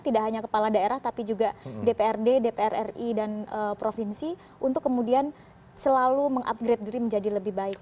tidak hanya kepala daerah tapi juga dprd dpr ri dan provinsi untuk kemudian selalu mengupgrade diri menjadi lebih baik